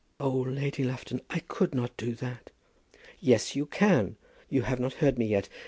"Oh, Lady Lufton; I could not do that." "Yes, you can. You have not heard me yet.